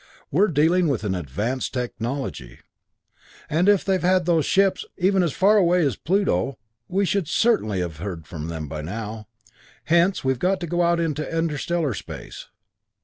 We're dealing with an advanced technology. If they have had those ships even as far away as Pluto, we should certainly have heard from them by now. "Hence, we've got to go out into interstellar space.